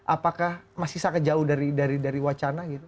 apakah masih sangat jauh dari wacana gitu